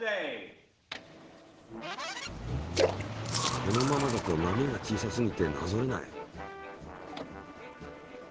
このままだと波が小さすぎてなぞれない。